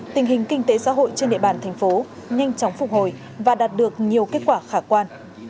tình hình kinh tế xã hội trên địa bàn thành phố nhanh chóng phục hồi và đạt được nhiều kết quả khả quan